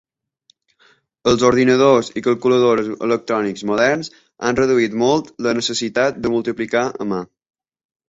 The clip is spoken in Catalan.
Els ordinadors i calculadores electrònics moderns han reduït molt la necessitat de multiplicar a mà.